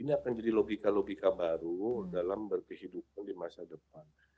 ini akan jadi logika logika baru dalam berkehidupan di masa depan